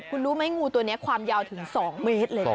คุณรู้ไหมงูตัวนี้ความยาวถึง๒เมตรเลยนะ